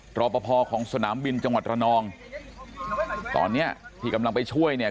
รอปภของสนามบินจังหวัดระนองตอนเนี้ยที่กำลังไปช่วยเนี่ย